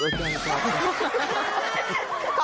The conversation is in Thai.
โอเคครับ